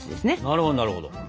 なるほどなるほど。